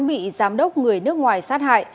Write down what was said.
bị giám đốc người nước ngoài sát hại